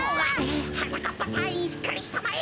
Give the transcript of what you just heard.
はなかっぱたいいんしっかりしたまえ！